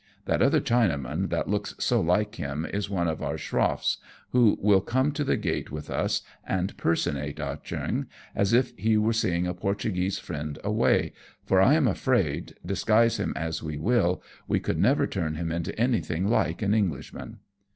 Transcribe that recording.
That other Chinaman that looks so like him is one of our schroffs, who Will come to the gate with us and personate Ah Cheong, as if he were seeing a Portuguese friend away, for I am afraid, disguise him as we wiU, we could never turn him into anything like an Englishman."